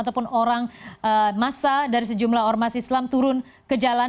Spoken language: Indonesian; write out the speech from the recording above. ataupun orang massa dari sejumlah ormas islam turun ke jalan